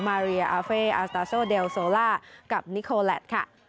มาเรียอาเฟ่อาซาโซเดลโซล่ากับนิโคแลตค่ะ